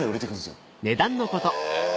へぇ。